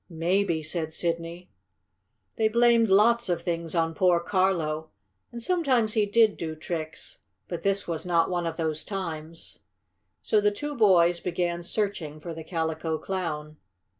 "Maybe," said Sidney. They blamed lots of things on poor Carlo, and sometimes he did do tricks. But this was not one of those times. So the two boys began searching for the Calico Clown.